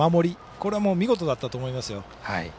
これは見事だったと思いますよ。